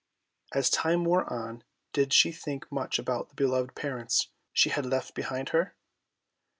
As time wore on did she think much about the beloved parents she had left behind her?